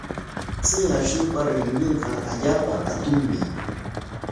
Chay ashnupa rinrinqa allaapa hatunmi.